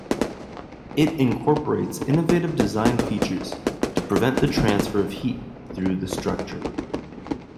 It incorporates innovative design features to prevent the transfer of heat through the structure.